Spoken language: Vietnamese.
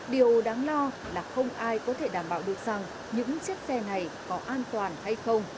điều đáng lo là không ai có thể đảm bảo được rằng những chiếc xe này có an toàn hay không